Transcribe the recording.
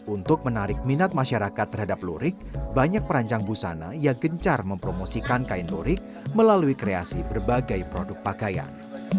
untuk menarik minat masyarakat terhadap lurik banyak perancang busana yang gencar mempromosikan kain lurik melalui kreasi berbagai produk pakaian